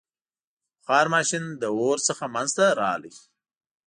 • بخار ماشین له اور څخه منځته راغی.